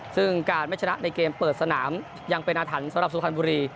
ซึ่งการไม่ชนะในเกมเปิดสนามยังเป็นอาถรรพ์สำหรับสุพรรณบุรี